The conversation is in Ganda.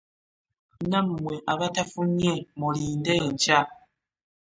Nammwe abatafunye mulinde enkya.